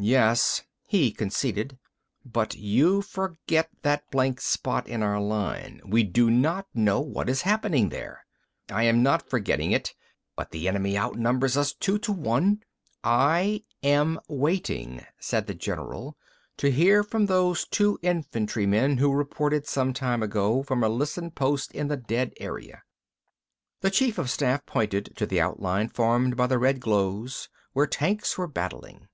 "Yes," he conceded. "But you forget that blank spot in our line. We do not know what is happening there." "I am not forgetting it. But the enemy outnumbers us two to one—" "I am waiting," said the general, "to hear from those two infantrymen who reported some time ago from a listen post in the dead area." The chief of staff pointed to the outline formed by the red glows where tanks were battling.